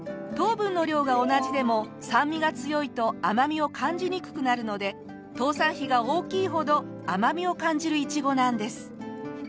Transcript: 糖分の量が同じでも酸味が強いと甘味を感じにくくなるので糖酸比が大きいほど甘味を感じるイチゴなんです。